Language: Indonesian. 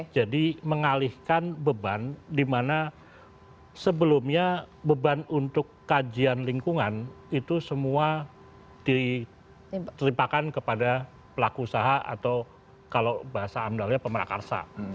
jadi mengalihkan beban di mana sebelumnya beban untuk kajian lingkungan itu semua diteripakan kepada pelaku usaha atau kalau bahasa amdalnya pemerakarsa